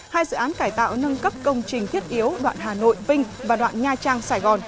hai dự án cải tạo nâng cấp công trình thiết yếu đoạn hà nội vinh và đoạn nha trang sài gòn chưa khởi công